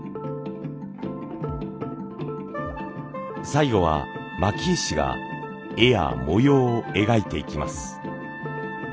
最後は蒔絵師が絵や模様を描いていきます。